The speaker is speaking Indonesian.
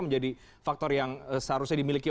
menjadi faktor yang seharusnya dimiliki